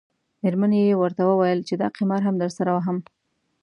میرمنې یې ورته وویل چې دا قمار هم درسره وهم.